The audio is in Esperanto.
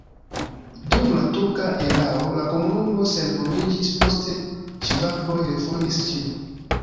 Dum la turka erao la komunumo senhomiĝis, poste ŝvaboj refondis ĝin.